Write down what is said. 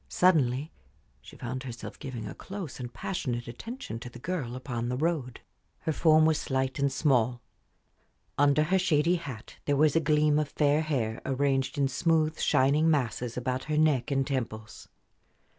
Suddenly she found herself giving a close and passionate attention to the girl upon the road. Her form was slight and small; under her shady hat there was a gleam of fair hair arranged in smooth, shining masses about her neck and temples.